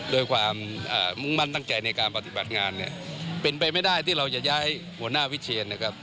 โดยความมุ่งมั่นตั้งใจในการปฏิบัติงานเนี่ยเป็นไปไม่ได้ที่เราจะย้ายหัวหน้าวิเชียนนะครับ